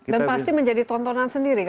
dan pasti menjadi tontonan sendiri